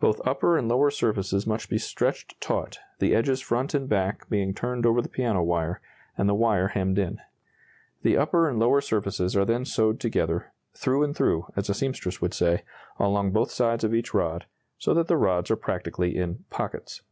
Both upper and lower surfaces must be stretched taut, the edges front and back being turned over the piano wire, and the wire hemmed in. The upper and lower surfaces are then sewed together "through and through," as a seamstress would say along both sides of each rod, so that the rods are practically in "pockets."